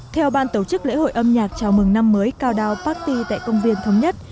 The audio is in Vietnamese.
theo ban tổ chức lễ hội âm nhạc chào mừng năm mới countdown party tại công viên thống nhất